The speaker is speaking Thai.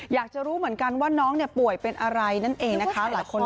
อยากจะรู้เหมือนกันว่าน้องเนี่ยป่วยเป็นอะไรนั่นเองนะคะ